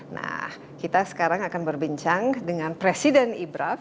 nah kita sekarang akan berbincang dengan presiden ibraf